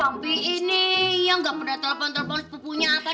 bang pi'i nih yang gak pernah telepon telepon sepupunya